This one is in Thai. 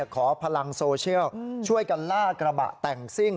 ขอพลังโซเชียลช่วยกันล่ากระบะแต่งซิ่ง